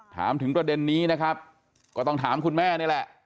ถามถึงประเด็นนี้นะครับก็ต้องถามคุณแม่นี่แหละ